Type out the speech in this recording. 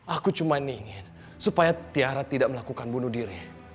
aku cuma ingin supaya tiara tidak melakukan bunuh diri